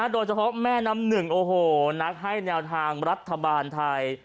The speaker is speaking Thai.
โดยเฉพาะแม่น้ำหนึ่งโอ้โหนักให้แนวทางรัฐบาลไทย